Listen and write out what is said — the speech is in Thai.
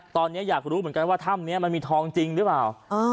ตอนนี้อยากรู้เหมือนกันว่าถ้ำนี้มันมีทองจริงหรือเปล่า